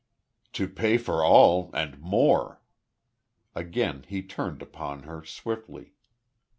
"To pay for all, and more!" Again he turned upon her, swiftly.